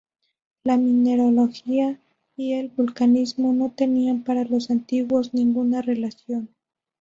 La mineralogía y el vulcanismo no tenían para los antiguos ninguna relación.